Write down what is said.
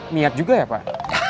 niat juga ya pak